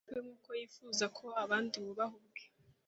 we nk’uko yifuza ko abandi bubaha ubwe